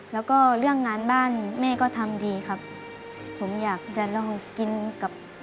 แล้วก็เรื่องงานบ้านแม่ก็ทำดีครับผมอยากจะลองกินกับ